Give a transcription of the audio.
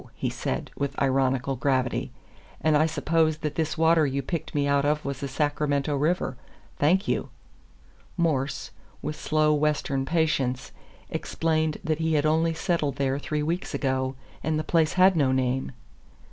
he said, with ironical gravity, "and I suppose that this water you picked me out of was the Sacramento River. Thank you!" Morse, with slow Western patience, explained that he had only settled there three weeks ago, and the place had no name.